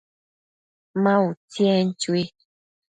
Ma utsi, en chui